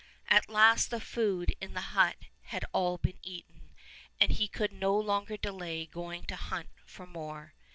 At last the food in the hut had all been eaten, and he could no longer delay going to hunt for more.